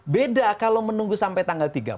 beda kalau menunggu sampai tanggal tiga belas